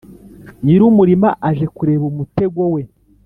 nyiri umurima aje kureba umutego we